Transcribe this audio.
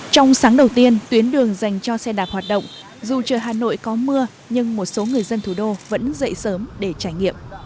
trong sáng đầu tiên tuyến đường dành cho xe đạp hoạt động dù chờ hà nội có mưa nhưng một số người dân thủ đô vẫn dậy sớm để trải nghiệm